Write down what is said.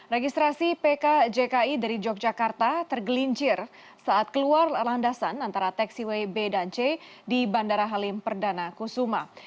registrasi pkjki dari yogyakarta tergelincir saat keluar landasan antara taxiway b dan c di bandara halim perdana kusuma